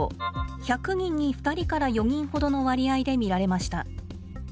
１００人に２人から４人ほどの割合で見られました。